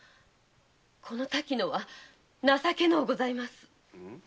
この滝乃は情けのうございます。